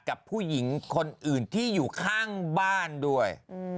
กับผู้หญิงคนอื่นที่อยู่ข้างบ้านด้วย